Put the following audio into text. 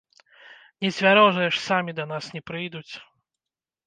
Нецвярозыя ж самі да нас не прыйдуць!